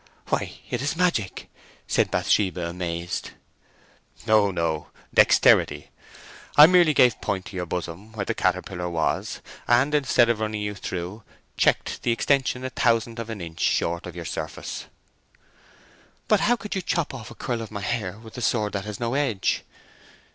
"Why, it is magic!" said Bathsheba, amazed. "Oh no—dexterity. I merely gave point to your bosom where the caterpillar was, and instead of running you through checked the extension a thousandth of an inch short of your surface." "But how could you chop off a curl of my hair with a sword that has no edge?"